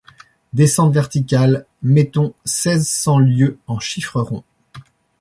Descente verticale. — Mettons seize cents lieues en chiffres ronds.